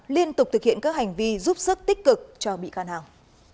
liên tục thực hiện các hành vi giúp sức tích cực cho bị can hằng